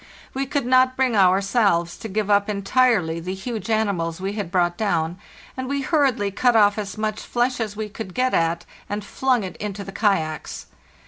We could not bring ourselves to give up entirely the huge animals we had brought down, and we hurriedly cut off as much flesh as we could get at and flung it into the kayaks.